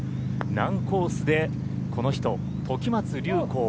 難コースでこの人、時松隆光